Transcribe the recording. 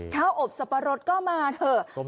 อบสับปะรดก็มาเถอะ